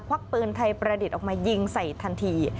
วักปืนไทยประดิษฐ์ออกมายิงใส่ทันที